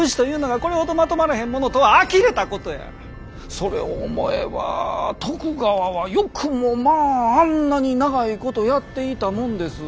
それを思えば徳川はよくもまぁあんなに長いことやっていたもんです。